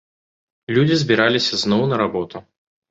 Людзі збіраліся зноў на работу.